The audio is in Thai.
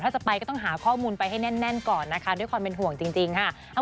ถ้าจะไปก็ต้องหาข้อมูลไปให้แน่นก่อนนะคะด้วยความเป็นห่วงจริงค่ะ